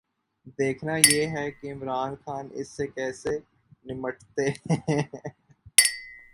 دیکھنا یہ ہے کہ عمران خان اس سے کیسے نمٹتے ہیں۔